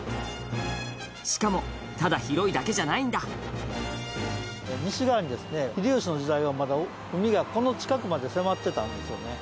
しかもただ広いだけじゃないんだ西側にですね、秀吉の時代はまだ海が、この近くまで迫ってたんですよね。